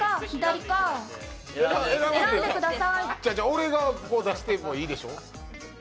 俺が出してもいいでしょ？